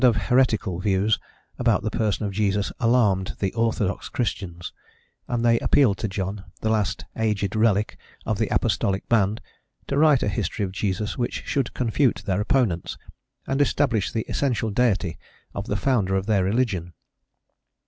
of "heretical" views about the person of Jesus alarmed the "orthodox" Christians, and they appealed to John, the last aged relic of the apostolic band, to write a history of Jesus which should confute their opponents, and establish the essential deity of the founder of their religion.